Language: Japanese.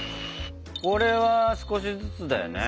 これは少しずつだよね？